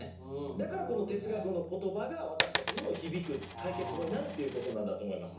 だからこの哲学の言葉が私たちにも響く解決法になるということなんだと思います。